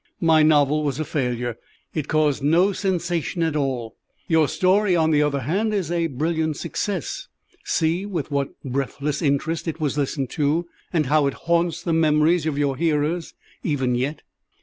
"My novel was a failure. It caused no sensation at all. Your story, on the other hand, is a brilliant success. See with what breathless interest it was listened to, and how it haunts the memories of your hearers even yet!"